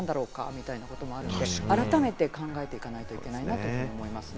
みたいなこともあるので、改めて考えていかないといけないなと思います。